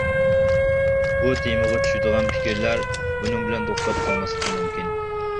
بۇ تېمىغا چۈشىدىغان پىكىرلەر بۇنىڭ بىلەن توختاپ قالماسلىقى مۇمكىن.